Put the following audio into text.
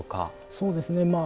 そうですね